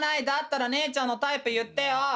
だったら姉ちゃんのタイプ言ってよ。